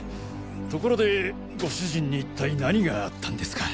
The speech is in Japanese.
ところでご主人に一体何があったんですか？